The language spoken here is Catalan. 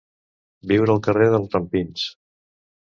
Viure al carrer dels rampins.